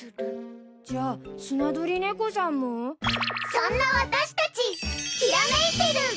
そんな私たちきらめいてる！